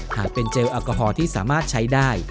หากเป็นเจลแอลกอฮอล์ที่สามารถใช้ได้